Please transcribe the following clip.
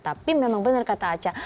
tapi memang benar kata aca